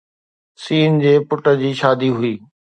س جي پٽ جي شادي هئي